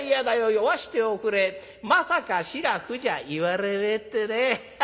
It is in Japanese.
酔わしておくれまさか素面じゃ言われめえ』ってね。ハハハ！」。